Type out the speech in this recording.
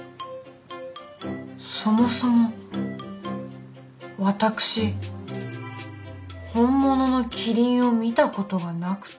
そもそも私本物のキリンを見たことがなくて。